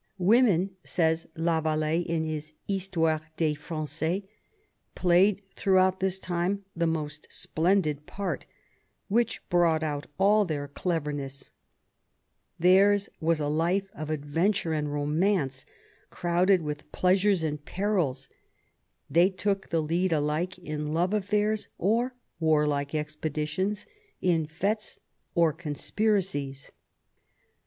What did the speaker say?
" Women," says Lavall^e in his Histoire des Franfais, " played throughout this time the most splendid part, which brought out all their cleverness ; theirs was a life of adventure and romance, crowded with pleasures and perils ; they took the lead alike in love afikirs or warlike expeditions, in f^tes or conspiracies.